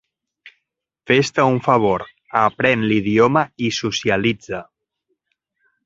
Fes-te un favor: aprèn l'idioma i socialitza.